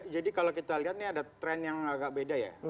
jadi kalau kita lihat ini ada tren yang agak beda ya